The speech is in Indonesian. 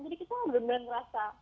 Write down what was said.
jadi kita bener bener ngerasa